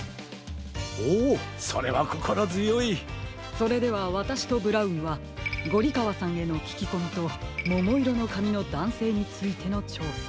それではわたしとブラウンはゴリかわさんへのききこみとももいろのかみのだんせいについてのちょうさ。